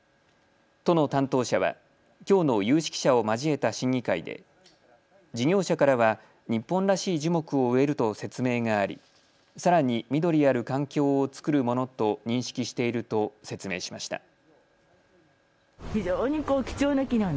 都の担当者はきょうの有識者を交えた審議会で事業者からは日本らしい樹木を植えると説明がありさらに緑ある環境を作るものと認識していると説明しました。